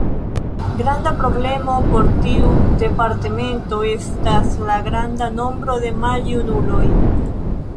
Granda problemo por tiu departemento estas la granda nombro da maljunuloj.